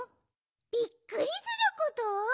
びっくりすること？